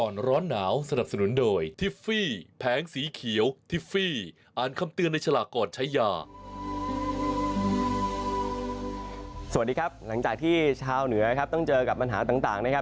สวัสดีครับหลังจากที่ชาวเหนือครับต้องเจอกับปัญหาต่างนะครับ